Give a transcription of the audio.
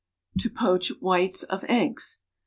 =To Poach Whites of Eggs.